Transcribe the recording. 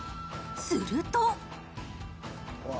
すると。